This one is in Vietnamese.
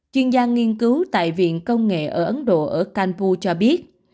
chuyên gia nghiên cứu tại viện công nghệ ở ấn độ ở canpu cho biết